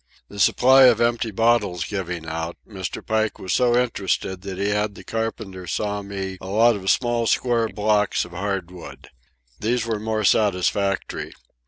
The supply of empty bottles giving out, Mr. Pike was so interested that he had the carpenter saw me a lot of small square blocks of hard wood. These were more satisfactory.